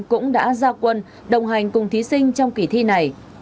cũng đã ra quân đồng hành cùng thí sinh trong kỳ thi này